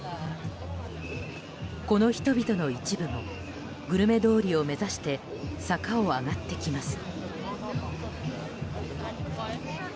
この人々の一部もグルメ通りを目指して坂を上がってきます。